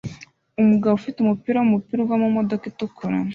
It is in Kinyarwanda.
Umugabo ufite umupira wumupira uva mumodoka itukura